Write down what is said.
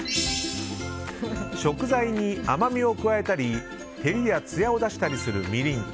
食材に甘みを加えたり照りやつやを出したりするみりん。